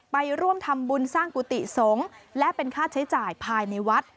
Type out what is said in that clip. ไปร่วมทำบุญสร้างกุฏิสงฆ์และเป็นค่าใช้จ่ายภายในวัด